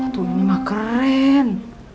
tuh ini mah keren